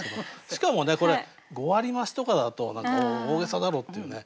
しかもねこれ「五割増し」とかだと何か大げさだろっていうね。